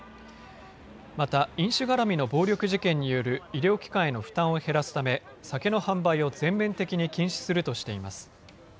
また飲酒がらみの暴力事件による医療機関の負担を減らすため酒の販売を全面的に禁止するとしています。